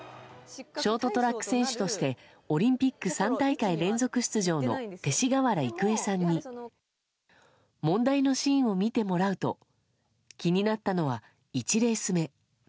ショートトラック選手として、オリンピック３大会連続出場の勅使川原郁恵さんに問題のシーンを見てもらうと、気になったのは、１レース目。